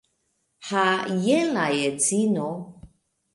Ha! Jen la edzino.